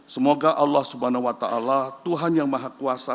semoga allah swt tuhan yang maha kuasa